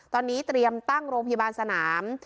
ตอนนี้เตรียมตั้งโรงพยาบาลสนาม